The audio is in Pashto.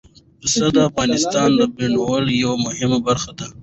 پسه د افغانستان د بڼوالۍ یوه مهمه برخه ده.